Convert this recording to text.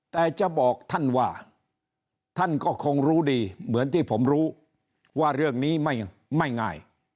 แต่จะบอกท่านว่าท่านก็คงรู้ดีเหมือนที่ผมรู้ว่าเรื่องนี้ไม่ง่าย